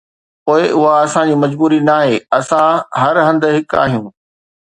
پوءِ اها اسان جي مجبوري ناهي، اسان هر هنڌ هڪ آهيون.